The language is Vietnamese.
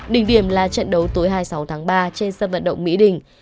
đỉnh điểm là trận đấu tối hai mươi sáu tháng ba trên sân vận động mỹ đình